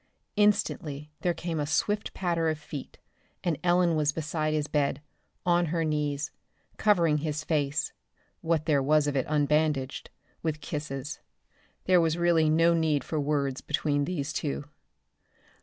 Instantly there came a swift patter of feet and Ellen was beside his bed, on her knees, covering his face what there was of it unbandaged with kisses. There was really no need for words between these two.